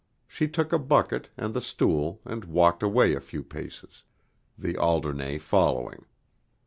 She took a bucket and the stool and walked away a few paces, the Alderney following.